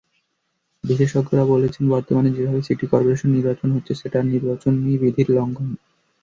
বিশেষজ্ঞরা বলছেন, বর্তমানে যেভাবে সিটি করপোরেশন নির্বাচন হচ্ছে, সেটা নির্বাচনী বিধির লঙ্ঘন।